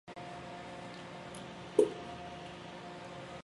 鲍德温广场是位于美国亚利桑那州亚瓦派县的一个非建制地区。